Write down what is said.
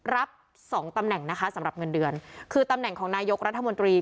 รับสองตำแหน่งนะคะสำหรับเงินเดือนคือตำแหน่งของนายกรัฐมนตรี